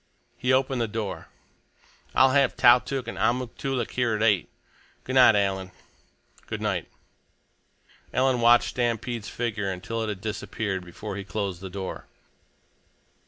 He opened the door. "I'll have Tautuk and Amuk Toolik here at eight. Good night, Alan!" "Good night!" Alan watched Stampede's figure until it had disappeared before he closed the door.